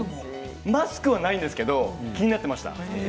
マスクはないんですけれど気になっていました。